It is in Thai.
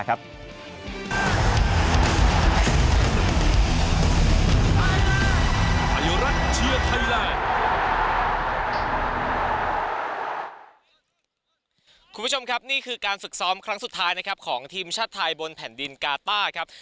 คุณผู้ชมครับนี่คือการฝึกซ้อมครั้งสุดท้ายนะครับของทีมชาติไทยบนแผ่นดินกาต้าครับ